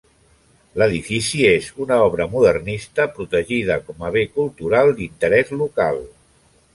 L'edifici és una obra modernista protegida com a Bé Cultural d'Interès Local.